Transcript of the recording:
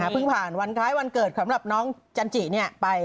พึ่งผ่านวันท้ายวันเกิดของน้องจันจินี่ไป